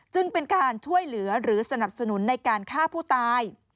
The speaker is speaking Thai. เป็นการช่วยเหลือหรือสนับสนุนในการฆ่าผู้ตาย